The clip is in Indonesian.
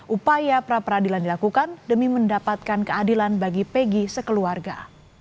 upaya pra peradilan dilakukan demi mendapatkan keadilan bagi pegi sekeluarga